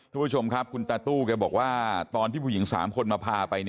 ทุกผู้ชมครับคุณตาตู้แกบอกว่าตอนที่ผู้หญิง๓คนมาพาไป